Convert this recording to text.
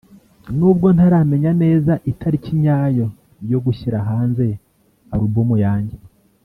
“N’ubwo ntaramenya neza itariki nyayo yo gushyira hanze album yanjye